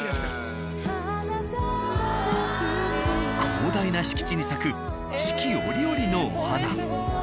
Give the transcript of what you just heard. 広大な敷地に咲く四季折々のお花。